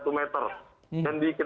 sudah mencapai ketinggian hampir satu meter